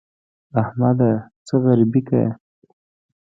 احمده! څه غريبي کوې؟